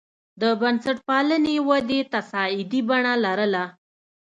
د بنسټپالنې ودې تصاعدي بڼه لرله.